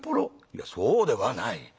「いやそうではない。